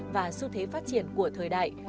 và xu thế phát triển của thời đại